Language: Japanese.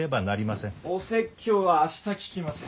お説教は明日聞きます。